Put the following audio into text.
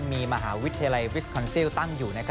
มีมหาวิทยาลัยวิสคอนซิลตั้งอยู่